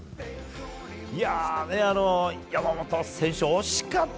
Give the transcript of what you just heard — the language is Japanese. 山本選手、惜しかった。